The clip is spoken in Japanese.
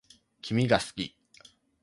君が好き